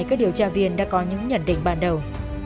các điều tra viên đã có những nhận định ban đầu